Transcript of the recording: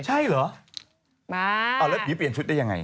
ใช่เหรอมาเอาแล้วผีเปลี่ยนชุดได้ยังไง